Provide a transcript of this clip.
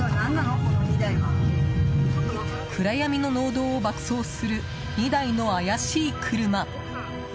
暗闇の農道を爆走する２台の怪しい車。